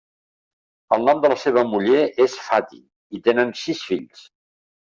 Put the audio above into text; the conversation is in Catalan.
El nom de la seva muller és Fati i tenen sis fills.